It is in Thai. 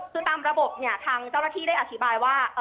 คือตามระบบเนี่ยทางเจ้าหน้าที่ได้อธิบายว่า